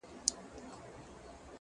وخت هوښیارانو ته ارزښت لري.